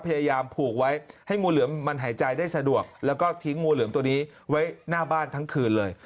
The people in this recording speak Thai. พยายามผูกไว้ให้งูเหลือมมันหายใจได้สะดวกแล้วก็ทิ้งงูเหลือมตัวนี้ไว้หน้าบ้านทั้งคืนเลย